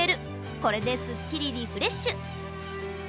これですっきりリフレッシュ。